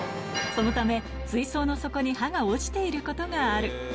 そのため、水槽の底に歯が落ちていることがある。